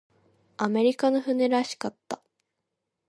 アメリカの船らしかった。